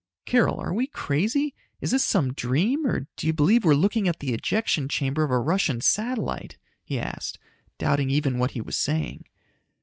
"Carol, are we crazy? Is this some dream, or do you believe we are looking at the ejection chamber of the Russian satellite?" he asked, doubting even what he was saying.